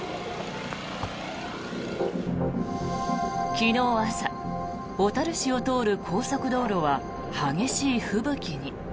昨日朝小樽市を通る高速道路は激しい吹雪に。